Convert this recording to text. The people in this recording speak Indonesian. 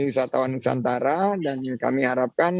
wisatawan nusantara dan kami harapkan